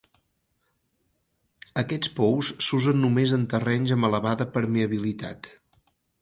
Aquests pous s'usen només en terrenys amb elevada permeabilitat.